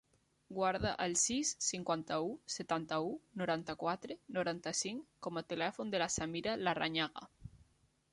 Guarda el sis, cinquanta-u, setanta-u, noranta-quatre, noranta-cinc com a telèfon de la Samira Larrañaga.